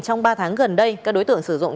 trong ba tháng gần đây các đối tượng sử dụng